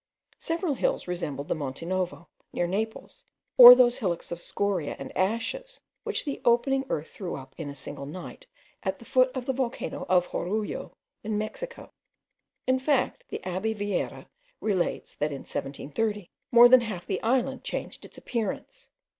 Several hills resembled the Monte Novo, near Naples, or those hillocks of scoria and ashes which the opening earth threw up in a single night at the foot of the volcano of Jorullo, in Mexico. In fact, the abbe Viera relates, that in 1730, more than half the island changed its appearance.